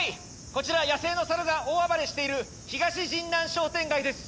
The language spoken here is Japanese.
こちら野生のサルが大暴れしている東神南商店街です。